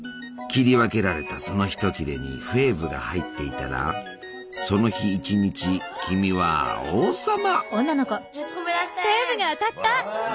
切り分けられたそのひと切れにフェーブが入っていたらその日一日君は王様！